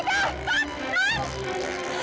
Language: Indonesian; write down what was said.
yang materi ibu huo